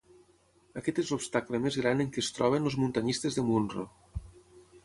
Aquest és l'obstacle més gran en què es troben els muntanyistes de Munro.